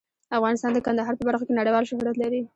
افغانستان د کندهار په برخه کې نړیوال شهرت لري.